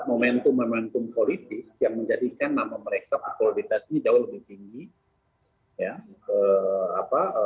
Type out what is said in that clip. momentum momentum politik yang menjadikan nama mereka kualitasnya jauh lebih tinggi ya apa